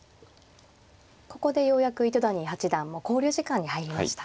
ここでようやく糸谷八段も考慮時間に入りました。